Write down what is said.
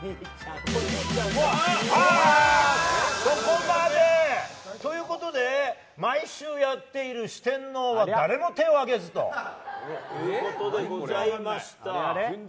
そこまで！ということで毎週やっている四天王は誰も手を挙げずということでございました。